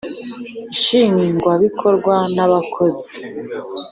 Nshingwabikorwa n abakozi